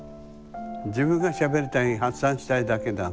自分がしゃべりたい発散したいだけの話で。